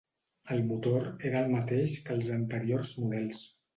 El motor era el mateix que els anteriors models.